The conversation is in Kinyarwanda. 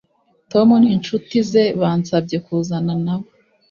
Tom ninshuti ze bansabye kuzana nabo